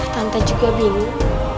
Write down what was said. tante juga bingung